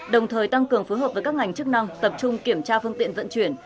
đồng thời tăng cường phối hợp với các ngành chức năng tập trung kiểm tra phương tiện vận chuyển